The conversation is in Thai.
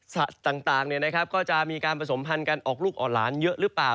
ต่างก็จะมีการผสมพันธ์กันออกลูกอ่อนหลานเยอะหรือเปล่า